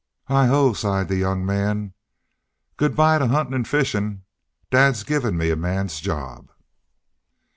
"Heigho!" sighed the young man, "Good by to huntin' an' fishing'! Dad's given me a man's job."